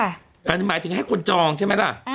อันนี้หมายถึงให้คนจองใช่ไหมล่ะ